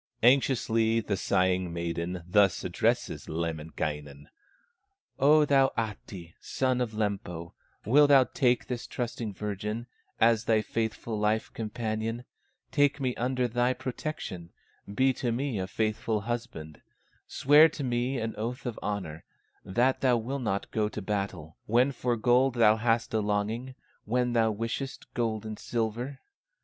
Anxiously the sighing maiden Thus addresses Lemminkainen: "O thou Ahti, son of Lempo, Wilt thou take this trusting virgin, As thy faithful life companion, Take me under thy protection, Be to me a faithful husband, Swear to me an oath of honor, That thou wilt not go to battle, When for gold thou hast a longing, When thou wishest gold and silver?"